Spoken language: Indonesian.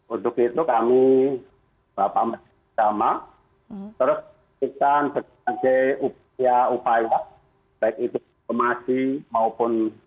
untuk itu kami bapak menteri agama terus melakukan berbagai upaya upaya baik itu informasi maupun